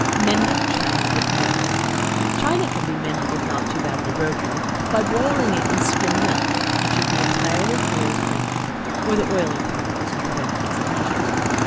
Mending China with Milk. China can be mended if not too badly broken, by boiling it in skim milk, it should be entirely clear of cream, or the oily particles will prevent its adhesion.